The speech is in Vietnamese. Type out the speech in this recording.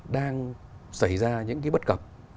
đang xảy ra những cái bất cập